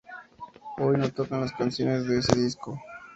Hoy no tocan las canciones de ese disco.